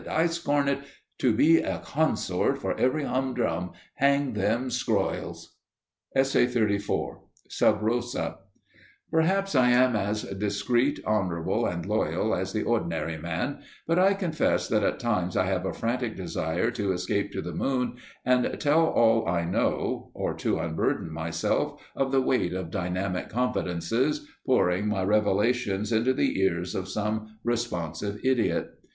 I scorn it, to be a consort for every humdrum, hang them, scroyles!" *Sub Rosa* Perhaps I am as discreet, honourable and loyal as the ordinary man, but I confess that at times I have a frantic desire to escape to the moon and tell all I know, or to unburden myself of the weight of dynamic confidences, pouring my revelations into the ears of some responsive idiot.